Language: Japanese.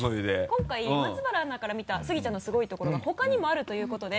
今回松原アナから見たスギちゃんのすごいところが他にもあるということで。